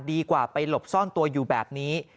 ดีกว่าไปหลบซ่อนตัวอยู่แบบนี้